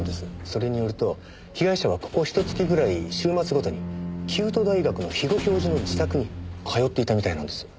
それによると被害者はここひと月ぐらい週末ごとに宮都大学の肥後教授の自宅に通っていたみたいなんです。